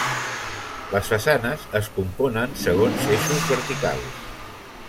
Les façanes es componen segons eixos verticals.